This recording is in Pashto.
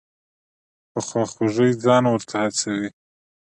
په خواخوږۍ ځان ورته هڅوي.